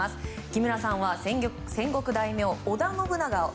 木村さんは戦国大名の織田信長を。